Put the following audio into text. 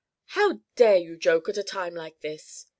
How dare you joke at a time like this?"